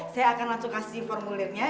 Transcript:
saya akan langsung kasih formulirnya